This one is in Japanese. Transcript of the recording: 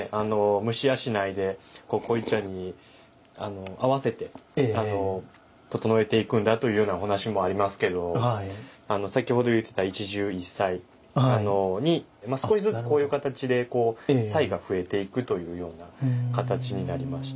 虫養いで濃茶に合わせて整えていくんだというようなお話もありますけど先ほど言ってた一汁一菜に少しずつこういう形でこう菜が増えていくというような形になりまして。